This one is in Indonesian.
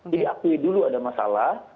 jadi akui dulu ada masalah